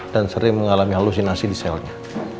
dan sering mengalami halusinasi di selnya